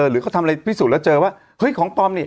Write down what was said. หรือเขาทำอะไรพิสูจน์แล้วเจอว่าเฮ้ยของปลอมนี่